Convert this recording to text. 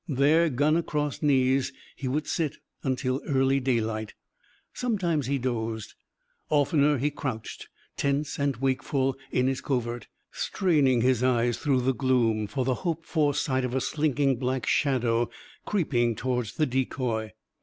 There, gun across knees, he would sit, until early daylight. Sometimes he dozed. Oftener he crouched, tense and wakeful, in his covert; straining his eyes, through the gloom, for the hoped for sight of a slinking black shadow creeping towards the decoy.